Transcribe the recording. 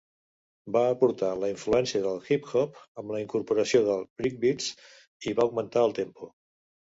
Va aportar la influència del hip-hop amb la incorporació de breakbeats i va augmentar el tempo.